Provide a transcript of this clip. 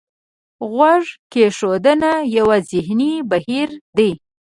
غوږ کېښودنه یو ذهني بهیر دی.